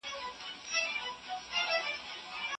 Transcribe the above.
افغان خبریالان په اسانۍ سره بهرنۍ ویزې نه سي ترلاسه کولای.